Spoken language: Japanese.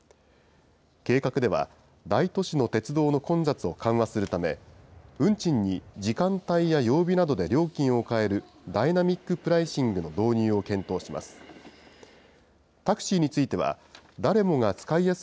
計画では、大都市の鉄道の混雑を緩和するため、運賃に時間帯や曜日などで料金を変える、ダイナミックプライシングの導入を検討します。